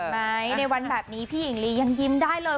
ในวันแบบนี้พี่หญิงลียังยิ้มได้เลย